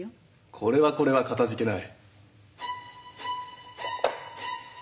これはこれはかたじけない。